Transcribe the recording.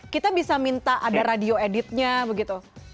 kita bisa minta ada radio editnya begitu